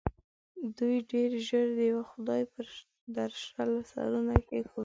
دوی ډېر ژر د یوه خدای پر درشل سرونه کېښول.